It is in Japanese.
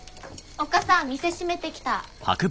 おっ母さん店閉めてきた。